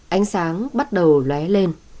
ánh sáng bắt đầu lé lên